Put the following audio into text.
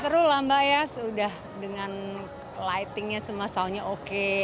seru lah mbak ya sudah dengan lightingnya semasaunya oke